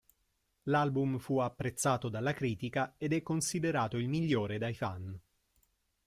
L'album fu apprezzato dalla critica ed è considerato il migliore dai fan.